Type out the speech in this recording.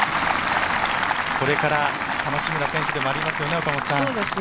これから楽しみな選手でもありますよね。